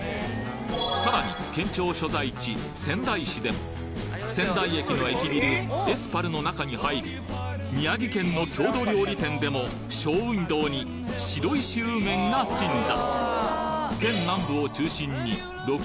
さらに県庁所在地仙台市でも仙台駅の駅ビルＳ−ＰＡＬの中に入る宮城県の郷土料理店でもショーウィンドーに白石うーめんが鎮座！